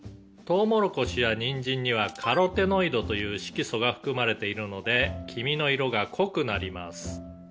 「トウモロコシやニンジンにはカロテノイドという色素が含まれているので黄身の色が濃くなります」